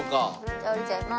じゃあ降りちゃいます。